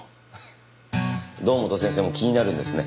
堂本先生も気になるんですね。